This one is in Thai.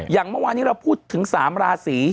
เมื่อวานี้เราพูดถึง๓ราศี